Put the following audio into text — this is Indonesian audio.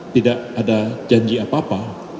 tidak ada janji apa apa